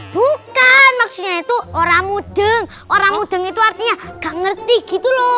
bukan maksudnya itu orang mudeng orang mudeng itu artinya gak ngerti gitu loh